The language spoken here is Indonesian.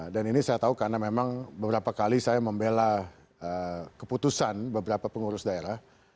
ini saya tahu karena memang beberapa kali saya membela keputusan beberapa pengurus daerah